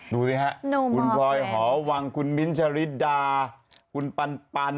ดูสิฮะคุณพลอยหอวังคุณมิ้นท์ชะลิดดาคุณปัน